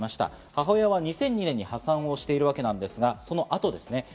母親は２００２年に破産しているわけですが、そのあとですね。